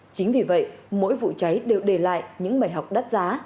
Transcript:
chính vì vậy mỗi vụ cháy đều để lại những bài học đắt giá